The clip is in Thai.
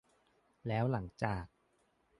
แล้วหลังจาก